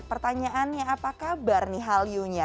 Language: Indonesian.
pertanyaannya apa kabar nih hal iunya